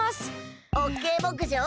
オッケーぼくじょう。